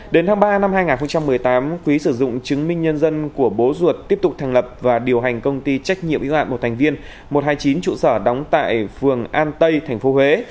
đến tháng ba năm hai nghìn một mươi tám quý sử dụng chứng minh nhân dân của bố ruột tiếp tục thành lập và điều hành công ty trách nhiệm y ạn một thành viên một trăm hai mươi chín trụ sở đóng tại phường an tây tp huế